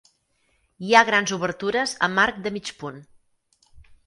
Hi ha grans obertures amb arc de mig punt.